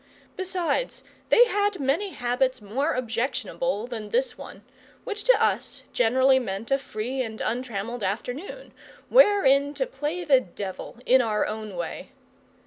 Besides, they had many habits more objectionable than this one, which to us generally meant a free and untrammelled afternoon, wherein to play the devil in our own way.